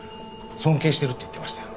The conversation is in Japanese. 尊敬してるって言ってましたよ。